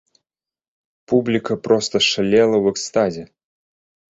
Публіка проста шалела ў экстазе!